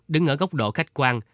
đứng ở góc độ khách quan